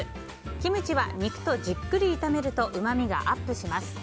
キムチは肉とじっくり炒めるとうまみがアップします。